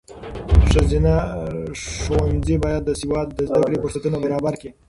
ښځینه ښوونځي باید د سواد د زده کړې فرصتونه برابر کړي.